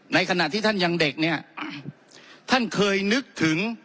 ในขณะที่ท่านยังเด็กเนี่ยท่านเคยนึกถึง